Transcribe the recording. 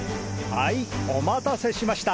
ハイおまたせしました！